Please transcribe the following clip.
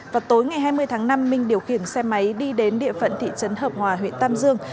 vào tối ngày hai mươi tháng năm minh điều khiển xe máy đi đến địa phận thị trấn hợp hòa huyện tam dương